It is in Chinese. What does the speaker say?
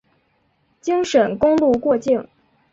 京沈公路过境。